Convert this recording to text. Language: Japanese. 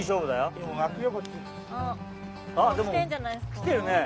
きてるね！